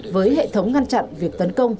với hệ thống ngăn chặn việc tấn công